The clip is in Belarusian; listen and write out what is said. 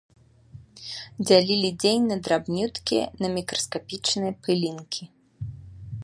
Дзялілі дзень на драбнюткія, на мікраскапічныя пылінкі.